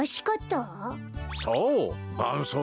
そう！